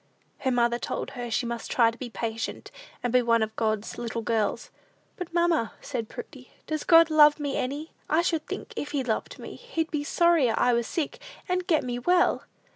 Her mother told her she must try to be patient, and be one of God's little girls. "But, mamma," said Prudy, "does God love me any? I should think, if he loved me, he'd be sorrier I was sick, and get me well."